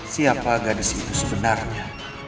siapa gadis itu sebenarnya